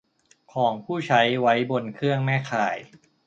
ของผู้ใช้ไว้บนเครื่องแม่ข่าย